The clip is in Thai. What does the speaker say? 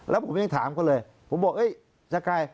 แล้วผมยังถามเขาเลยผมบอกจะไกล